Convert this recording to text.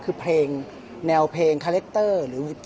คือแนวเพลงคาเล็กเตอร์